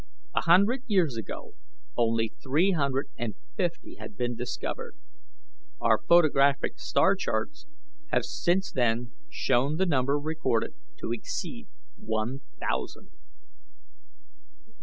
A hundred years ago only three hundred and fifty had been discovered; our photographic star charts have since then shown the number recorded to exceed one thousand."